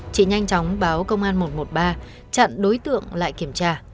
chị nhanh chóng báo công an một trăm một mươi ba chặn đối tượng lại kiểm tra